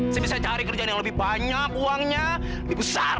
saya bisa cari kerjaan yang lebih banyak uangnya lebih besar